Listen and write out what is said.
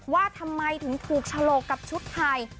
ว่าทำไมถึงถูกฉลกกับชุดไทย